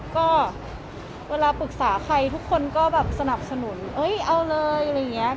ก็เวลาปรึกษาใครทุกคนก็แบบสนับสนุนเอ้ยเอาเลยอะไรอย่างนี้